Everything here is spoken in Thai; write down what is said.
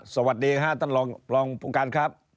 สวัสดีครับท่านรองการครับ